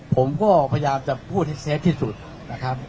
ผมก็พยายามจะพูดให้เซฟที่สุดนะครับ